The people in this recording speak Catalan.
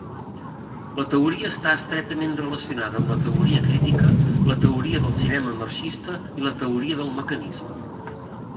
La teoria està estretament relacionada amb la teoria crítica, la teoria del cinema marxista i la teoria del mecanisme.